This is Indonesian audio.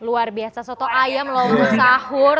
luar biasa soto ayam loh untuk sahur